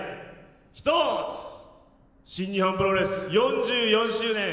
１つ新日本プロレス４４周年